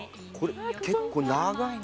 結構長いな。